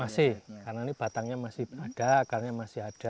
masih karena ini batangnya masih ada akarnya masih ada